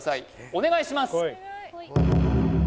お願いします